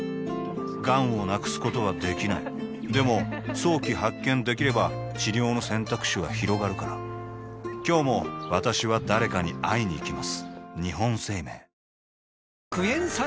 がんを無くすことはできないでも早期発見できれば治療の選択肢はひろがるから今日も私は誰かに会いにいきます